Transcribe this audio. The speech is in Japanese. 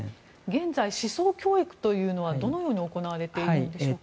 現在、思想教育というのはどのように行われているんでしょうか。